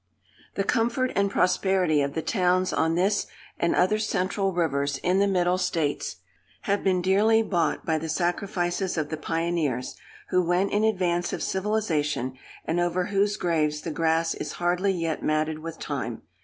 The comfort and prosperity of the towns on this and other central rivers, in the middle states, have been dearly bought by the sacrifices of the pioneers, who went in advance of civilization, and over whose graves the grass is hardly yet matted with time.